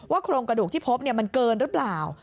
ว่าโครงกระดูกที่พบเนี่ยมันเกินหรือเปล่า